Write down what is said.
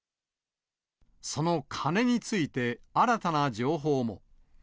その金について新たな情報も。